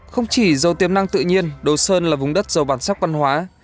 không chỉ dầu tiềm năng tự nhiên đồ sơn là vùng đất dầu bản sắc văn hóa